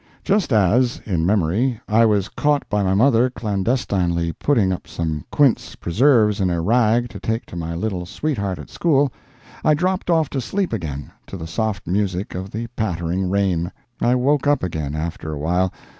Just as (in memory) I was caught by my mother clandestinely putting up some quince preserves in a rag to take to my little sweetheart at school, I dropped off to sleep again, to the soft music of the pattering rain. I woke up again, after a while.